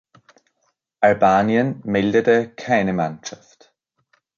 Albanien meldete keine Mannschaft.